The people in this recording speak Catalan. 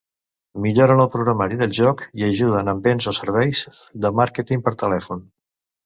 Milloren el programari del joc i ajuden en béns o serveis de màrqueting per telèfon.